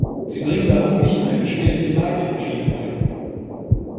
Sie bringen da auch mich in eine schwierige Lage, Herr Schiedermeier.